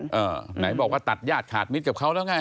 ไหนบอกว่าตัดญาติขาดมิตรกับเขาแล้วไง